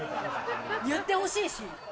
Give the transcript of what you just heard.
言ってほしいし。